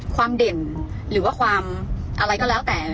เด่นหรือว่าความอะไรก็แล้วแต่